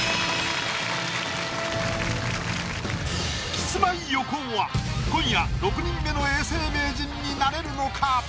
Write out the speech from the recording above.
キスマイ横尾は今夜６人目の永世名人になれるのか？